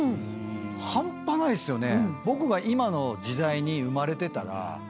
半端ないっすよね。